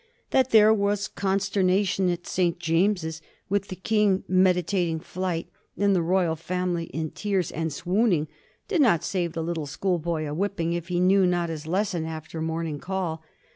... That there was consternation at St. James's, with the King meditating flight, and the royal family in tears and swooning, did not save the 4ittle school boy a whipping if he knew not his lesson after morn ing call.